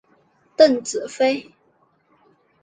邓紫飞。